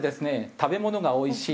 食べ物がおいしい。